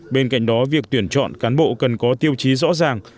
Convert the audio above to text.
bên cạnh đó việc tuyển chọn cán bộ cần có tiêu chí rõ ràng